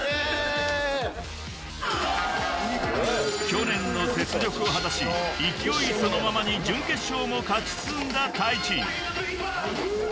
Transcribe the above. ［去年の雪辱を果たし勢いそのままに準決勝も勝ち進んだＴａｉｃｈｉ］